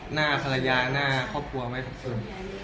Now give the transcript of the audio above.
หน้าภรรยาหน้าครอบครัวไว้